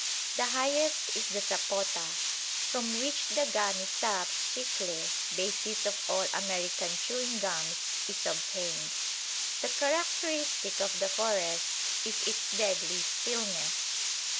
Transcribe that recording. The highest is the sapota, from which the gummy sap chicle basis of all American chewing gums is obtained. The characteristic of the forest is its deadly stillness.